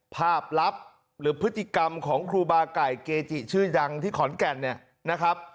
ภาพลับหรือพฤติกรรมของครูบาไก่เกจิชื่อดังที่ขอนแก่นเนี่ยนะครับ